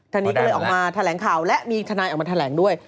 ทางนี้ก็เลยออกมาแถลงข่าวและมีทนายออกมาแถลงด้วย